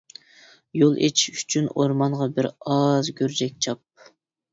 يول ئېچىش ئۈچۈن ئورمانغا بىر ئاز گۈرجەك چاپ!